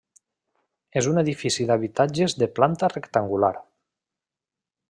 És un edifici d'habitatges de planta rectangular.